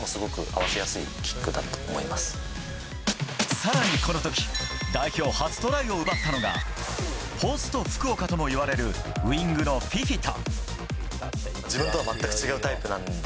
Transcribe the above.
更に、この時代表初トライを奪ったのがポスト福岡ともいわれるウィングのフィフィタ。